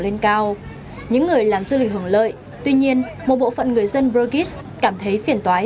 lên cao những người làm du lịch hưởng lợi tuy nhiên một bộ phận người dân brugis cảm thấy phiền toái